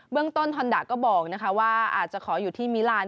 เรื่องต้นทอนดาก็บอกว่าอาจจะขออยู่ที่มิลาน